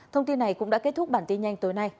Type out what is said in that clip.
thông tin này cũng đã kết thúc bản tin nhanh tối nay